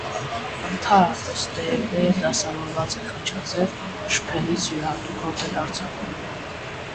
Ընդհանրապես տերևները դասավորված են խաչաձև, շփելիս յուրահատուկ հոտ են արձակում։